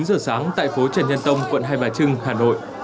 chín giờ sáng tại phố trần nhân tông quận hai bà trưng hà nội